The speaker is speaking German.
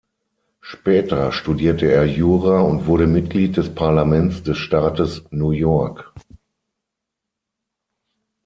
Später studierte er Jura und wurde Mitglied des Parlaments des Staates New York.